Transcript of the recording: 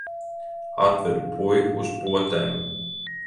Atvedu puiku uz potēm.